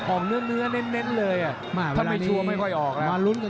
ออกเนื้อเน้นเลยถ้าไม่ชัวร์ไม่ค่อยออก